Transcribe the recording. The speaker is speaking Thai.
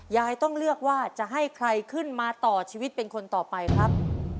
ยายต้องเลือกว่าจะให้ใครขึ้นมาต่อชีวิตเป็นคนต่อไปครับ